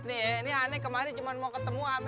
nih ini aneh kemarin cuma mau ketemu